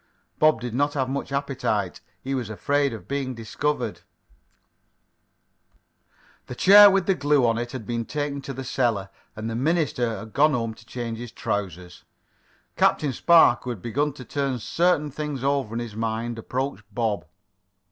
Bob did not have much appetite. He was afraid of being discovered. The chair, with the glue on it, had been taken to the cellar, and the minister had gone home to change his trousers. Captain Spark, who had begun to turn certain things over in his mind, approached Bob.